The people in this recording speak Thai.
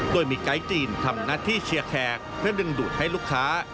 โดยมีไกด์จีนทำหน้าที่เชียร์แขกเพื่อดึงดูดให้ลูกค้า